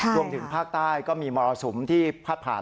รวมถึงภาคใต้ก็มีมรสุมที่พาดผ่าน